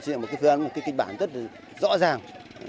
xây dựng một phương án một kinh bản rất rõ ràng